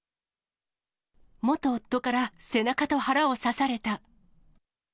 元夫から背中と腹を刺された。